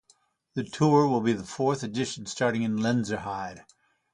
The tour will be the fourth edition starting in Lenzerheide.